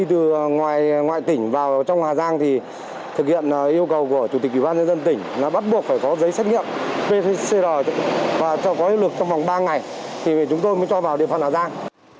từ ngoài tỉnh vào trong hà giang thì thực hiện yêu cầu của chủ tịch ủy ban nhân dân tỉnh là bắt buộc phải có giấy xét nghiệm pcr và cho có hiệu lực trong vòng ba ngày thì chúng tôi mới cho vào địa phận hà giang